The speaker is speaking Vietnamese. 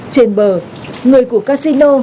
trên bờ người của casino